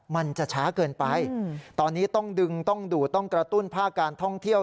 มันจะช้าเกินไปตอนนี้ต้องดึงต้องดูดต้องกระตุ้นภาคการท่องเที่ยว